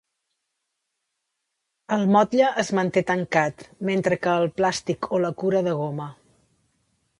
El motlle es manté tancat, mentre que el plàstic o la cura de goma.